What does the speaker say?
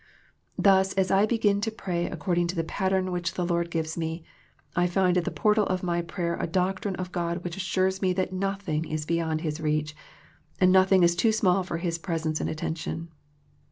Thus as I begin to pray according to the pattern which the Lord gives me, I find at the portal of my prayer a doctrine of God which assures me that nothing is beyond His reach, and nothing is too small for His presence and attention.